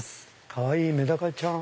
かわいいメダカちゃん。